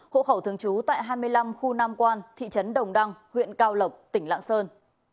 hộ khẩu thường trú tại hai mươi năm khu nam quan thị trấn đồng đăng huyện cao lộc tỉnh lạng sơn